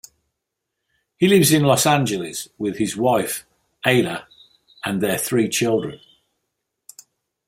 He lives in Los Angeles with his wife Alya, and their three children.